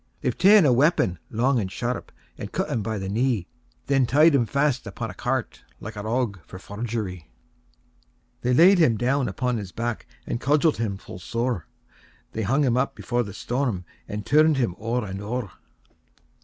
VII. They've ta'en a weapon, long and sharp, And cut him by the knee; Then ty'd him fast upon a cart, Like a rogue for forgerie. VIII. They laid him down upon his back, And cudgell'd him full sore; They hung him up before the storm. And turn'd him o'er and o'er.